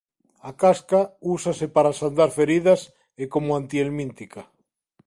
A casca úsase para sandar feridas e como antihelmíntica.